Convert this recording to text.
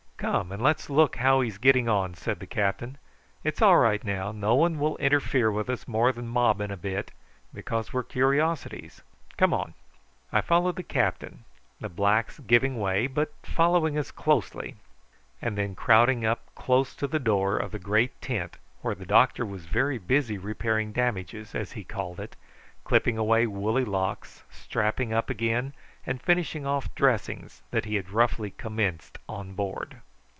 "Come and let's look how he's getting on," said the captain. "It's all right now; no one will interfere with us more than mobbing a bit, because we're curiosities. Come on." I followed the captain, the blacks giving way, but following us closely, and then crowding close up to the door of the great tent where the doctor was very busy repairing damages, as he called it, clipping away woolly locks, strapping up again and finishing off dressings that he had roughly commenced on board.